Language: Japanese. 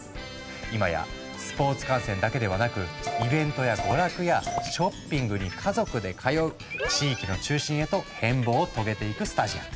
今やスポーツ観戦だけではなくイベントや娯楽やショッピングに家族で通う地域の中心へと変貌を遂げていくスタジアム。